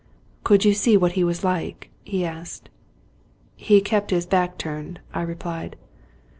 " Could you see what he was like ?" he asked. " He kept his back turned," I replied.